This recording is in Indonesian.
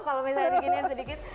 kalau misalnya begini sedikit